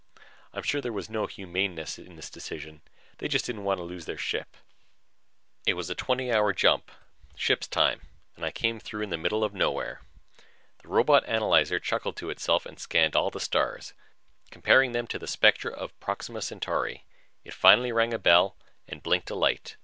I'm sure there was no humaneness in this decision. They just didn't want to lose the ship. It was a twenty hour jump, ship's time, and I came through in the middle of nowhere. The robot analyzer chuckled to itself and scanned all the stars, comparing them to the spectra of Proxima Centauri. It finally rang a bell and blinked a light.